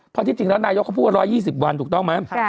เพราะที่จริงแล้วนายกเขาพูดว่า๑๒๐วันถูกต้องไหม